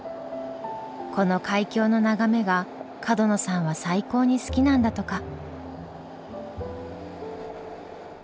この海峡の眺めが角野さんは最高に好きなんだとか。